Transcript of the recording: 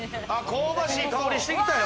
香ばしい香りしてきたよ！